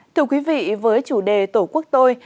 thưa quý vị với chủ đề tổ quốc tôi